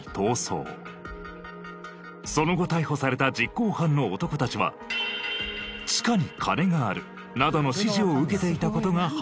その後逮捕された実行犯の男たちは「地下に金がある」などの指示を受けていた事が判明。